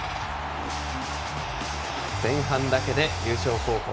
前半だけで優勝候補